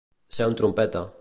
Ser un trompeta.